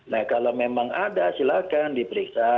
nah kalau memang ada silakan diperiksa